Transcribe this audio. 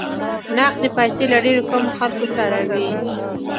نقدې پیسې له ډېرو کمو خلکو سره وې.